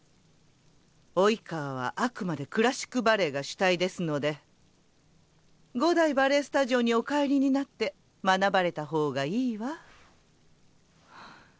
「生川」はあくまでクラシックバレエが主体ですので五代バレエスタジオにお帰りになって学ばれた方がいいわ。